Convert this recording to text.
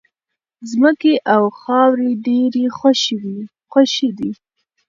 ځمکې او خاورې ډېرې خوښې دي.